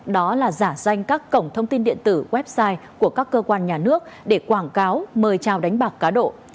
đó là giả danh các cổng thông tin điện tử website của các cơ quan nhà nước để quảng cáo mời trao đánh bạc cá độ